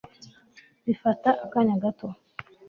bifata akanya gato